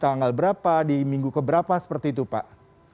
tanggal berapa di minggu keberapa seperti itu pak